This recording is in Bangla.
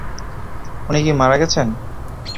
উনি কি মারা গেছেন?